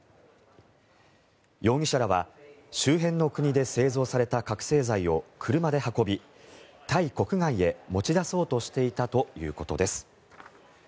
容疑者らは周辺の国で製造された覚醒剤を車で運び、タイ国外へ持ち出そうとしていたということです。